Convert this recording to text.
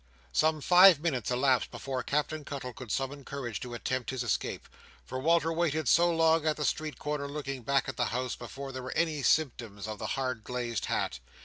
Some five minutes elapsed before Captain Cuttle could summon courage to attempt his escape; for Walter waited so long at the street corner, looking back at the house, before there were any symptoms of the hard glazed hat.